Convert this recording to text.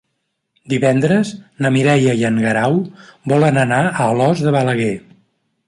Divendres na Mireia i en Guerau volen anar a Alòs de Balaguer.